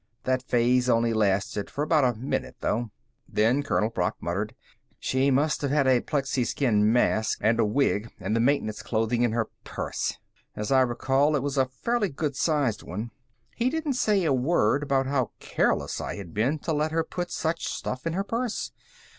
That phase only lasted for about a minute, though. Then Colonel Brock muttered: "She must have had a plexiskin mask and a wig and the maintenance clothing in her purse. As I recall, it was a fairly good sized one." He didn't say a word about how careless I had been to let her put such stuff in her purse.